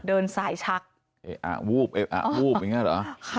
เดินสายชักเออวู้บเเกี่ยวอ่ะ